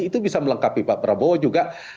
itu bisa melengkapi pak prabowo juga